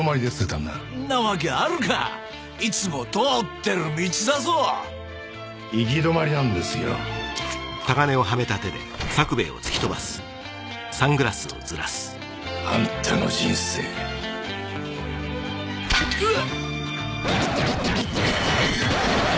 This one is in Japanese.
んなわけあるかいつも通ってる道だぞ行き止まりなんですよあんたの人生ウッ！